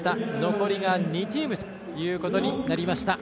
残りが２チームということになりました。